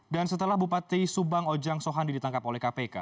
dan setelah bupati subang ojang sohan diditangkap oleh kpk